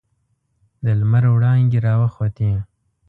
د لمر وړانګې راوخوتې.